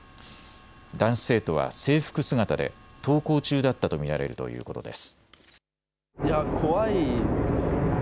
男子生徒は制服姿で登校中だったと見られるということです。